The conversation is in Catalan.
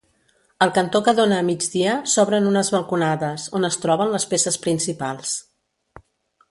Al cantó que dóna a migdia s'obren unes balconades, on es troben les peces principals.